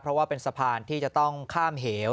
เพราะว่าเป็นสะพานที่จะต้องข้ามเหว